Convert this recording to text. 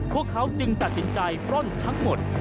พวกเขาจึงตัดสินใจปล้นทั้งหมด